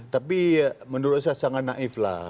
tapi menurut saya sangat naif lah